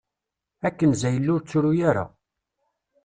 A Kenza a yelli ur ttru-ara.